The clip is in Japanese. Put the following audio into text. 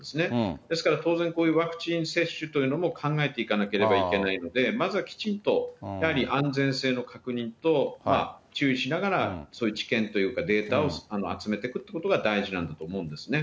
ですから当然、こういうワクチン接種というのも、考えていかなければいけないので、まずはきちんと、安全性の確認と、注意しながらそういう治験というか、データを集めてくってことが大事なんだと思うんですよね。